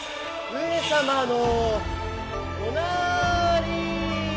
・上様のおなーりー。